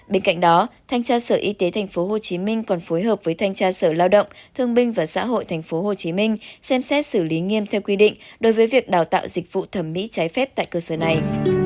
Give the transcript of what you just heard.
bên cạnh đó thanh tra sở y tế tp hcm còn phối hợp với thanh tra sở lao động thương binh và xã hội tp hcm xem xét xử lý nghiêm theo quy định đối với việc đào tạo dịch vụ thẩm mỹ trái phép tại cơ sở này